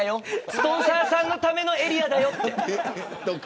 スポンサーさんのためのエリアだよみたいな。